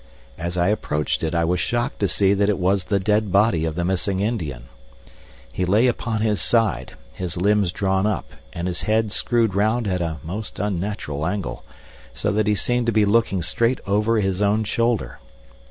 As I approached it, I was shocked to see that it was the dead body of the missing Indian. He lay upon his side, his limbs drawn up, and his head screwed round at a most unnatural angle, so that he seemed to be looking straight over his own shoulder.